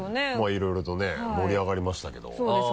いろいろと盛り上がりましたけどそうです